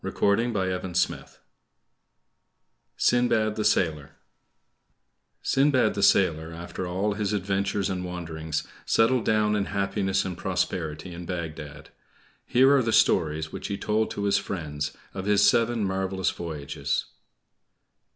SINDBAD THE SAILOR Sindbad the sailor, after all his adventures and wanderings, settled down in happiness and prosperity in Bagdad. Here are the stories which he told to his friends of his seven marvelous voyages.